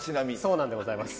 そうなんでございます。